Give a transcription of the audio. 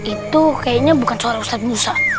itu kayaknya bukan suara ustadz musa